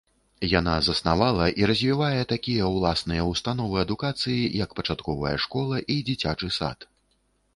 Яна заснавала і развівае такія ўласныя ўстановы адукацыі, як пачатковая школа і дзіцячы сад.